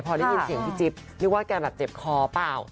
พอได้ยินเสียงพี่จิ๊บรู้นว่าเกี่ยวกันโดดเจ็บคอเปล่า